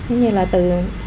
thế như là từ